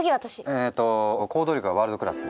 えと行動力はワールドクラス！